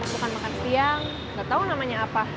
bukan makan siang gak tau namanya apa